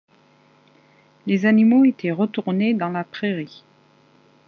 Les animaux étaient retournés dans la prairie.